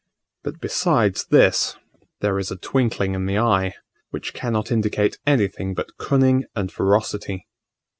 But, besides this, there is a twinkling in the eye, which cannot indicate anything but cunning and ferocity.